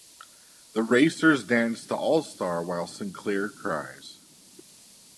The racers dance to "All Star" while Sinclair cries.